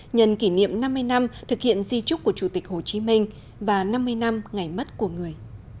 nhận kỷ niệm năm mươi năm thực hiện di trúc của chủ tịch hồ chí minh và năm mươi năm ngày mất của người